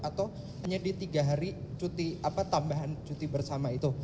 atau hanya di tiga hari cuti tambahan cuti bersama itu